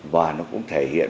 và nó cũng thể hiện